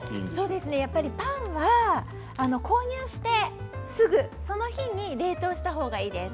やっぱりパンは購入してすぐその日に冷凍したほうがいいです。